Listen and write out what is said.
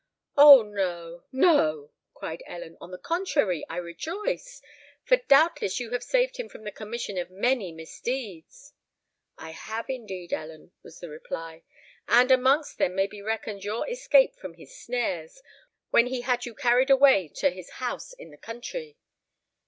"Oh! no—no," cried Ellen: "on the contrary, I rejoice! For doubtless you have saved him from the commission of many misdeeds!" "I have indeed, Ellen," was the reply; "and amongst them may be reckoned your escape from his snares, when he had you carried away to his house in the country."